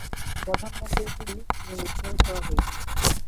প্রধান মন্দিরগুলি পুনরুদ্ধার করা হয়েছে।